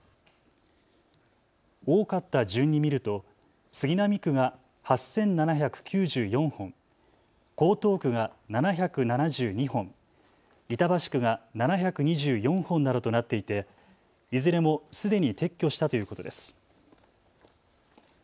多かった順に見ると杉並区が８７９４本、江東区が７７２本、板橋区が７２４本などとなっていていずれもすでに撤去したということです。